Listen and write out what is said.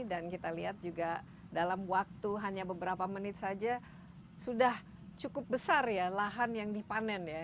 dan kita lihat juga dalam waktu hanya beberapa menit saja sudah cukup besar ya lahan yang dipanen ya